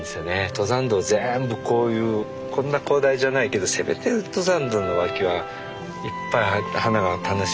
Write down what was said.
登山道全部こういうこんな広大じゃないけどせめて登山道の脇はいっぱい花が楽しめる。